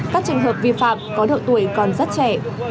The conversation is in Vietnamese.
các trường hợp vi phạm có độ tuổi còn rất trẻ